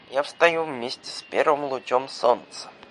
– Я встаю вместе с первым лучом солнца.